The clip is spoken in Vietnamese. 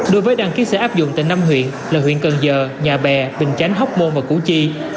đối với đăng ký xe áp dụng tại năm huyện là huyện cần giờ nhà bè bình chánh hóc môn và củ chi